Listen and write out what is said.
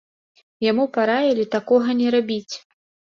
Яму параілі такога не рабіць.